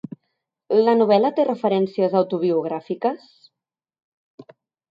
La novel·la té referències autobiogràfiques?